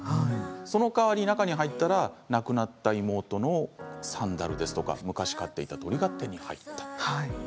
その代わり中に入ったら亡くなった妹のサンダルですとか昔飼っていた鳥が手に入った。